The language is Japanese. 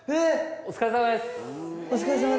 お疲れさまです。